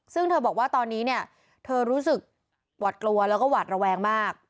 ซึ่งเธอบอกว่าตอนนี้เนี่ยเธอรู้สึกหวัดกลัวแล้วก็หวาดระแวงมาก